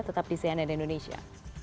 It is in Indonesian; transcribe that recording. tetap di cnn indonesia